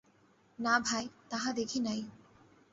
না ভাই, তাহা দেখি নাই।